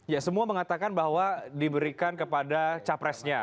ya semua mengatakan bahwa diberikan kepada capresnya